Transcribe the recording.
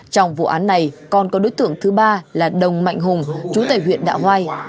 trong vụ án này còn có đối tượng thứ ba là đồng mạnh hùng trú tại huyện đạo hoai